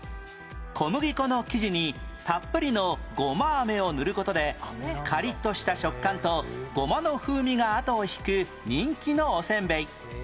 小麦粉の生地にたっぷりのゴマ飴を塗る事でカリッとした食感とゴマの風味が後を引く人気のおせんべい